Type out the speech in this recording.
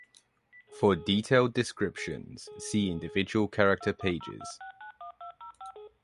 For detailed descriptions, see individual character pages.